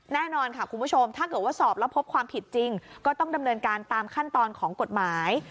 แน่นอนค่ะคุณผู้ชมถ้าเกิดว่าสอบแล้วพบความผิดจริงก็ต้องดำเนินการตามขั้นตอนของกฎหมาย